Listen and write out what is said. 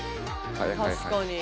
確かに。